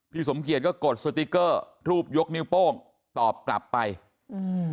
สมเกียจก็กดสติ๊กเกอร์รูปยกนิ้วโป้งตอบกลับไปอืม